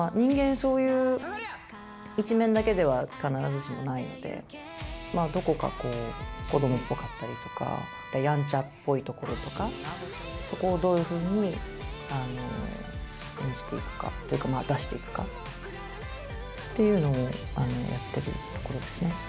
そういう一面だけでは必ずしもないのでどこかこう子どもっぽかったりとかやんちゃっぽいところとかそこをどういうふうに演じていくかというか出していくかっていうのをやってるところですね。